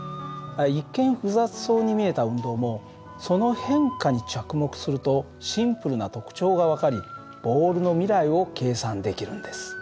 一見複雑そうに見えた運動もその変化に着目するとシンプルな特徴が分かりボールの未来を計算できるんです。